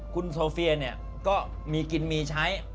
คุณโซเฟียเนี่ยก็มีกินมีใช้